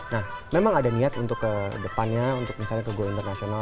nah memang ada niat untuk ke depannya untuk misalnya ke go internasional